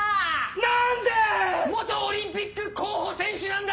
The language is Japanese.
何で⁉元オリンピック候補選手なんだ！